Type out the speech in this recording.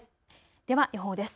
では予報です。